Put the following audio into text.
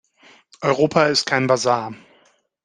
Europa ist kein Basar.